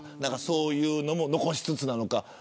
そういうのも残しつつなのか。